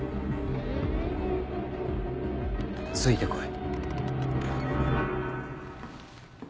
ついてこい。